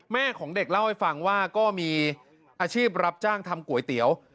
ของเด็กเล่าให้ฟังว่าก็มีอาชีพรับจ้างทำก๋วยเตี๋ยว